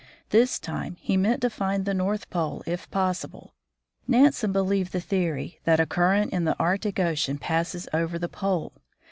This time he meant to find the North Pole if possible. Nansen believed the theory that a current in the Arctic ocean passes over the pole.